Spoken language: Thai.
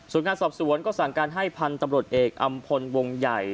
ส่วนงานสอบสวนก็สั่งการให้พันธุ์ตำรวจเอกอำพลวงใหญ่